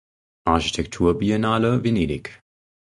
Architekturbiennale Venedig.